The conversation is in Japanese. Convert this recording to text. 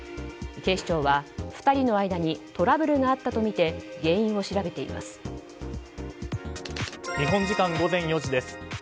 警視庁は、２人の間にトラブルがあったとみて日本時間午前４時です。